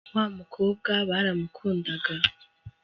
wamukobwa baramukundaga